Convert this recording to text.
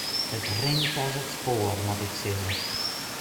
It rint as it spoar moat ik sizze.